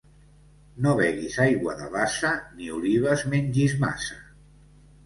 No beguis aigua de bassa, ni olives mengis massa.